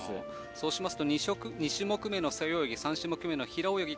そうしますと、２種目めの背泳ぎ、３種目めの平泳ぎ。